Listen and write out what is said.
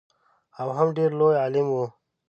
او هم ډېر لوی عالم و.